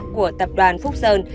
của tập đoàn phúc sơn